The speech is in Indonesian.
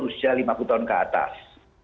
usia lima puluh tahun ke atas